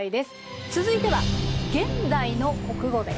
続いては「現代の国語」です。